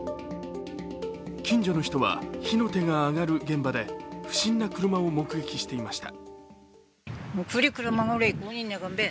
近所の人は、火の手が上がる現場で不審な車を目撃していました。